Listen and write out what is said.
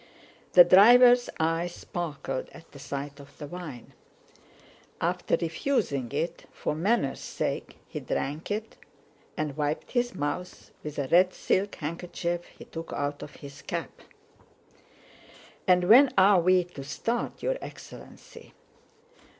The driver's eyes sparkled at the sight of the wine. After refusing it for manners' sake, he drank it and wiped his mouth with a red silk handkerchief he took out of his cap. "And when are we to start, your excellency?"